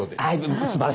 すばらしいです。